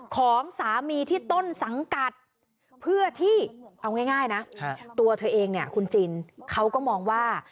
ของสามีที่ต้นสังกัดเพื่อที่เอาง่ายนะตัวเธอเองเนี่ยคุณจินเขาก็มองว่า